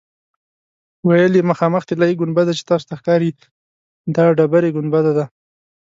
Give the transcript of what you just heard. ویل یې مخامخ طلایي ګنبده چې تاسو ته ښکاري دا ډبرې ګنبده ده.